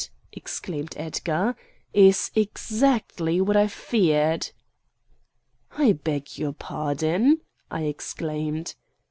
exclaimed Edgar, "is exactly what I feared!" "I beg your pardon!" I exclaimed.